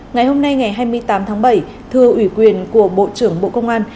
ngày hôm nay ngày hai mươi tám tháng bảy thừa ủy quyền của bộ trưởng bộ công an